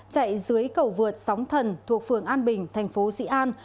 chạy dưới cầu vượt sóng thần thuộc phường an bình thành phố sĩ an